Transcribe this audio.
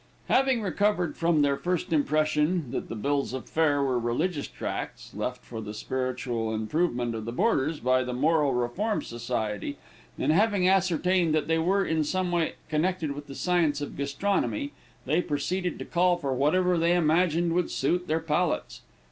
Having recovered from their first impression, that the bills of fare were religious tracts, left for the spiritual improvement of the boarders, by the Moral Reform Society, and having ascertained that they were in some way connected with the science of gastronomy, they proceeded to call for whatever they imagined would suit their palates.